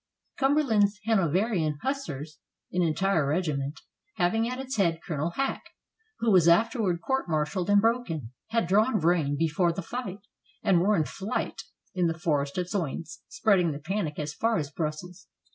Cumberland's Hanoverian hussars, an entire regiment, having at its head Colonel Hacke, who was afterward court martialed and broken, had drawn rein before the fight, and were in flight in the Forest of Soignes, spread ing the panic as far as Brussels.